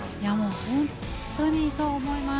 本当にそう思います。